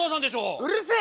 うるせえ！